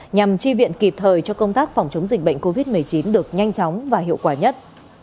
nhằm chi viện kịp thời cho công tác phòng chống dịch bệnh covid một mươi chín được nhanh chóng và hiệu quả nhất